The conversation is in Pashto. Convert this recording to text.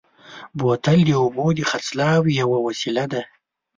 بوتل د اوبو د خرڅلاو یوه وسیله ده.